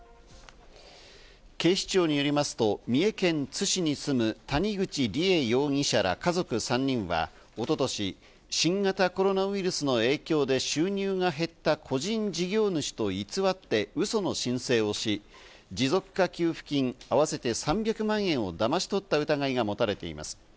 警視庁によりますと三重県津市に住む谷口梨恵容疑者ら家族３人は一昨年、新型コロナウイルスの影響で収入が減った個人事業主と偽ってウソの申請をし、持続化給付金、合わせて３００万円をだまし取った疑いが持たれています。